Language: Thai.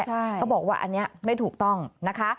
ก็บอกว่าอันนี้ไม่ถูกต้องนะคะ